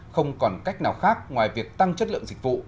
không còn cách nào khác ngoài việc tăng chất lượng dịch vụ